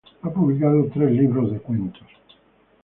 Ha publicado tres libros de cuentos.